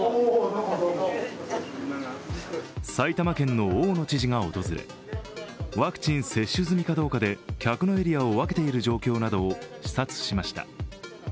埼玉県の大野知事が訪れワクチン接種済みかどうかで客のエリアを分けている状況などを視察しました。